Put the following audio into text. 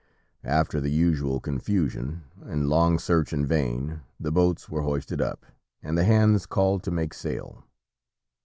After the usual confusion, and long search in vain, the boats were hoisted up, and the hands called to make sail.